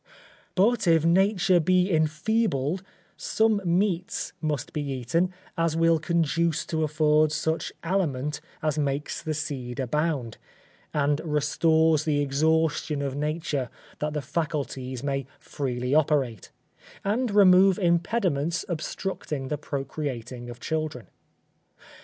But if nature be enfeebled, some meats must be eaten as will conduce to afford such aliment as makes the seed abound, and restores the exhaustion of nature that the faculties may freely operate, and remove impediments obstructing the procreating of children.